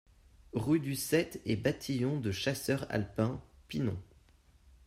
Rue du sept e Bataillon de Chasseurs Alpins, Pinon